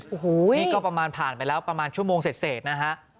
โอ้โหนี่ก็ประมาณผ่านไปแล้วประมาณชั่วโมงเสร็จนะฮะ